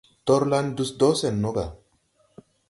Torlan dus do sen no ga.